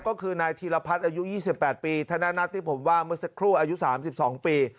ก็คือนายธีรพัฒน์อายุ๒๘ปีธนัทที่ผมว่าเมื่อสักครู่อายุ๓๒ปี